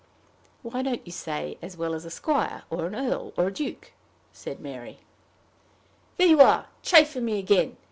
"Why don't you say as well as a squire, or an earl, or a duke?" said Mary. "There you are, chaffing me again!